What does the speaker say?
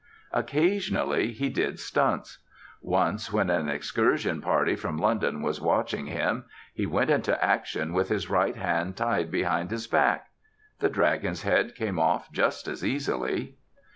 Occasionally he did stunts. Once when an excursion party from London was watching him he went into action with his right hand tied behind his back. The dragon's head came off just as easily.